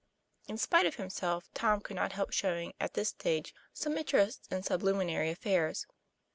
In spite of himself, Tom could not help showing, at this stage, some interest in sublunary affairs.